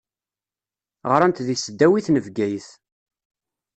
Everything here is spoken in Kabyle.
Ɣṛant di tesdawit n Bgayet.